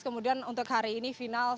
kemudian untuk hari ini final